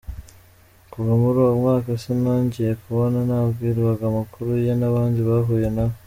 Kuva muri uwo mwaka sinongeye kumubona nabwirwaga amakuru ye n’abandi bahuye nawe.”